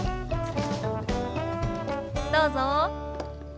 どうぞ。